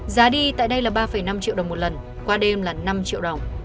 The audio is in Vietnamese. giá đi tại đây là ba năm triệu đồng một lần qua đêm là năm triệu đồng